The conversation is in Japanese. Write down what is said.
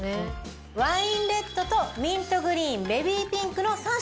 ワインレッドとミントグリーンベビーピンクの３色。